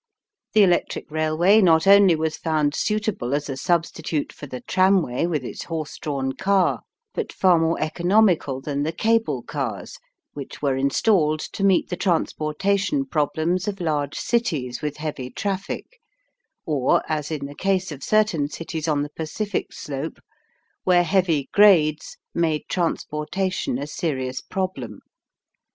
The electric railway not only was found suitable as a substitute for the tramway with its horse drawn car, but far more economical than the cable cars, which were installed to meet the transportation problems of large cities with heavy traffic, or, as in the case of certain cities on the Pacific slope, where heavy grades made transportation a serious problem.